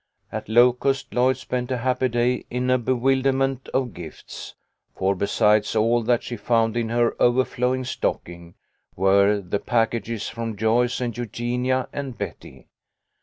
At Locust Lloyd spent a happy day in a bewilderment of gifts, for besides all that she found in her overflowing stocking were the packages from Joyce and Eugenia and Betty.